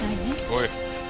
おい。